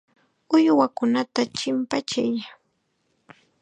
Uywakunata chimpachiy.